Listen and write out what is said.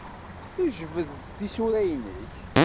Jbed-d tisura-nnek.